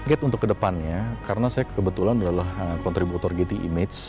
giat untuk kedepannya karena saya kebetulan adalah kontributor gtimage